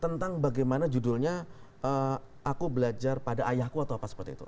tentang bagaimana judulnya aku belajar pada ayahku atau apa seperti itu